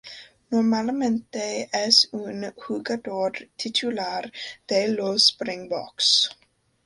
Normalmente es un jugador titular de los Springboks.